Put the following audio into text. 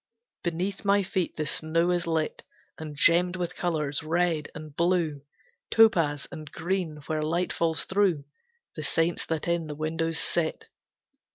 Beneath my feet the snow is lit And gemmed with colours, red, and blue, Topaz, and green, where light falls through The saints that in the windows sit.